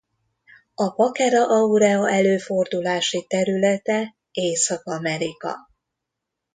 A Packera aurea előfordulási területe Észak-Amerika.